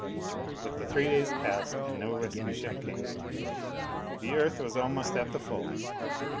But the three days passed and no rescue ship came. The Earth was almost at the full.